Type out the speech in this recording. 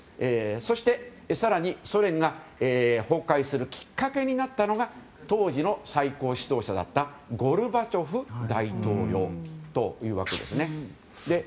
そして、更にソ連が崩壊するきっかけになったのが当時の最高指導者だったゴルバチョフ大統領というわけですね。